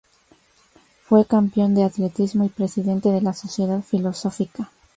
Fue campeón de atletismo y presidente de la Sociedad Filosófica.